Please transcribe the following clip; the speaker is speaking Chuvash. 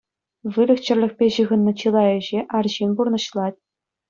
Выльӑх-чӗрлӗхпе ҫыхӑннӑ чылай ӗҫе арҫын пурнӑҫлать.